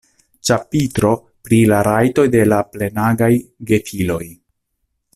Ĉapitro pri la rajtoj de la plenaĝaj gefiloj.